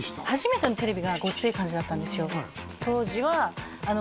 初めてのテレビが「ごっつええ感じ」だったんですよ